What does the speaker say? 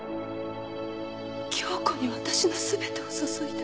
恭子に私の全てを注いだ。